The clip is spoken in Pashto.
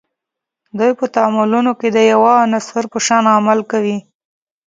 دوی په تعاملونو کې د یوه عنصر په شان عمل کوي.